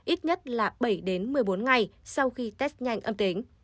ít nhất là bảy đến một mươi bốn ngày sau khi test nhanh âm tính